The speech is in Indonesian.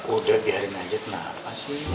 udah biarin aja kenapa sih